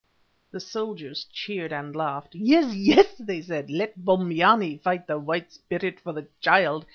The soldiers cheered and laughed. "Yes! yes!" they said, "let Bombyane fight the White Spirit for the child.